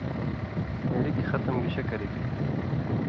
ہِڑِکیۡ ختم گیشے کریگ؟